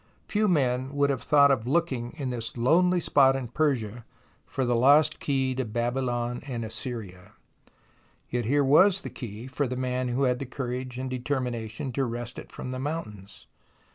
Few men would have thought of looking in this lonely spot in Persia for the lost key to Babylon and Assyria. Yet here was the key for the man who had the courage and THE ROMANCE OF EXCAVATION 107 determination to wrest it from the mountains.